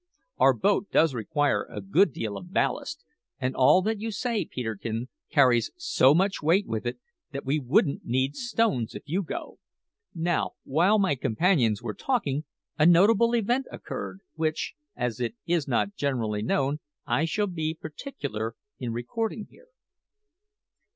Our boat does require a good deal of ballast; and all that you say, Peterkin, carries so much weight with it that we won't need stones if you go." Now, while my companions were talking, a notable event occurred, which, as it is not generally known, I shall be particular in recording here.